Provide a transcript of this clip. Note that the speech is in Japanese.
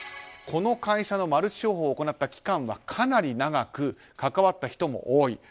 この会社のマルチ商法を行った期間はかなり長く関わった人も多い。